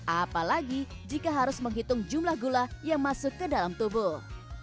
apalagi jika harus menghitung jumlah gula yang masuk ke dalam tubuh